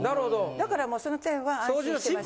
だからもうその点は安心してます。